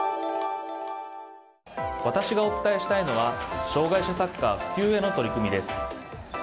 私がお伝えしたいのは障害者サッカー普及への取り組みです。